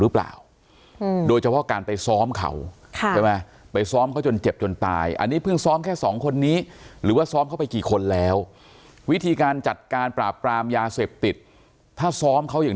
ไปซ้อมเขาจนเจ็บจนตายอันนี้เพิ่งซ้อมแค่สองคนนี้หรือว่าซ้อมเขาไปกี่คนแล้ววิธีการจัดการปราบปรามยาเสพติดถ้าซ้อมเขาอย่าง